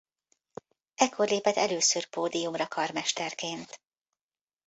Ekkor lépett először pódiumra karmesterként.